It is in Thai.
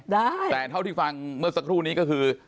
ได้แต่เท่าที่ฟังเมื่อสักครู่นี้ก็คือ